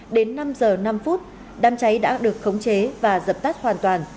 đến năm giờ năm phút đám cháy đã được khống chế và dập tắt hoàn toàn